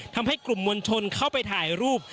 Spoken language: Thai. ทำให้กลุ่มมวลชนเข้าไปถ่ายรูป